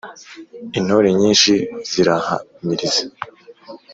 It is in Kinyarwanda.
Intore nyinshi zirahamiriza